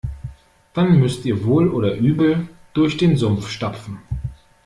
Dann müsst ihr wohl oder übel durch den Sumpf stapfen.